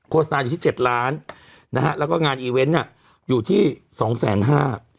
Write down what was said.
โสนานอยู่ที่เจ็ดล้านนะฮะแล้วก็งานอีเวนต์อ่ะอยู่ที่สองแสนห้า